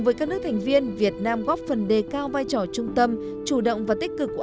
với các nước thành viên việt nam góp phần đề cao vai trò trung tâm chủ động và tích cực của